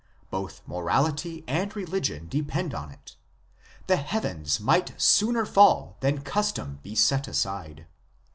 Both morality and religion depend upon it. The heavens might sooner fall than custom be set aside.